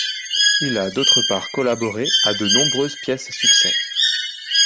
Il a d'autre part collaboré à de nombreuses pièces à succès.